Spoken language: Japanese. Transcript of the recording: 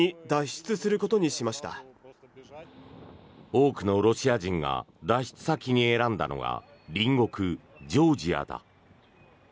多くのロシア人が脱出先に選んだのが隣国ジョージアだ。